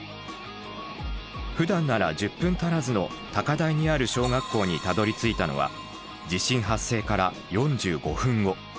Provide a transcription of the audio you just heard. ふだんなら１０分足らずの高台にある小学校にたどりついたのは地震発生から４５分後。